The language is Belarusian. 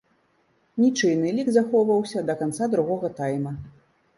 Нічыйны лік захоўваўся да канца другога тайма.